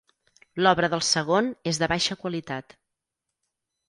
L'obra del segon és de baixa qualitat.